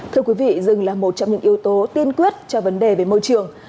thưa quý vị rừng là một trong những yếu tố tiên quyết cho vấn đề về môi trường